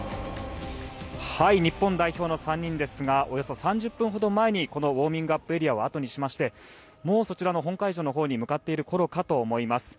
日本代表の３人ですがおよそ３０分ほど前にウォーミングアップエリアをあとにしましてそちらの本会場のほうに向かっているころかと思います。